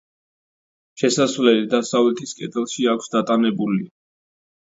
შესასვლელი დასავლეთის კედელში აქვს დატანებული.